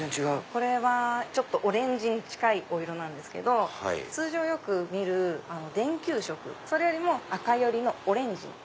これはオレンジに近いお色なんですけど通常よく見る電球色それよりも赤寄りのオレンジ。